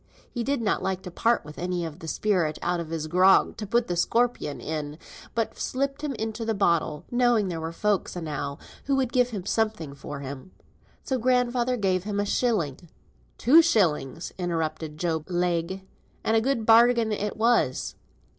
He did not like to part with any of the spirit out of his grog to put the scorpion in, but slipped him into the bottle, knowing there were folks enow who would give him something for him. So grandfather gives him a shilling." "Two shilling," interrupted Job Legh, "and a good bargain it was."